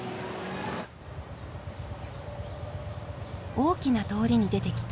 大きな通りに出てきた。